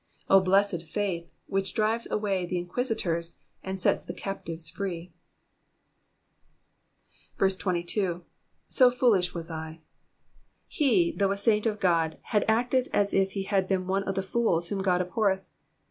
O blessed faith, which drives away the inquisitors, and sets the captives free ! 22. ^^ So foolish teas /." He, though a saint of God, had acted as if he had been one of the fools whom God abhorreth.